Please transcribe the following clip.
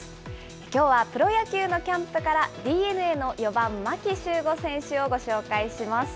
きょうはプロ野球のキャンプから、ＤｅＮＡの４番牧秀悟選手をご紹介します。